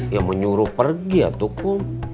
ya menyuruh pergi ya tukum